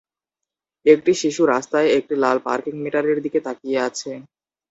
একটি শিশু রাস্তায় একটি লাল পার্কিং মিটারের দিকে তাকিয়ে আছে।